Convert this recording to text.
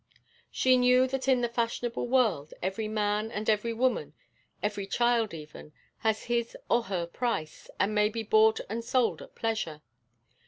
She knew that in the fashionable world every man and every woman, every child even, has his or her price, and may be bought and sold at pleasure.